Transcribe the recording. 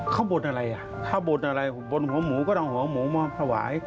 เขาบนอะไรอ่ะถ้าบนอะไรบนหัวหมูก็ต้องหัวหมูมาถวาย